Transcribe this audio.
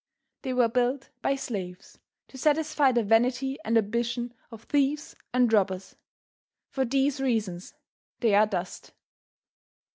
They were built by slaves to satisfy the vanity and ambition of thieves and robbers. For these reasons they are dust.